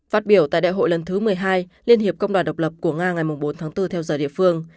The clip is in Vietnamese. phát biểu tại đại hội lần thứ một mươi hai liên hiệp công đoàn độc lập của nga ngày bốn tháng bốn theo giờ địa phương